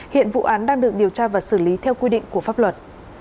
hiện vụ án đang được điều tra và xử lý theo quy định của pháp luật